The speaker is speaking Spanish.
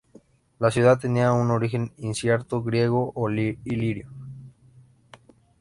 La ciudad tenía un origen incierto, griego o ilirio.